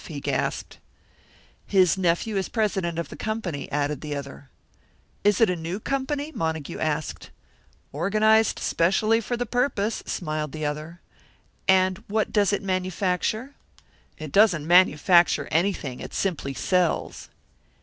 he gasped. "His nephew is president of the company," added the other. "Is it a new company?" Montague asked. "Organised especially for the purpose," smiled the other. "And what does it manufacture?" "It doesn't manufacture anything; it simply sells."